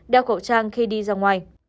đeo khẩu trang khi đi dịch